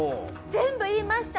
全部言いました。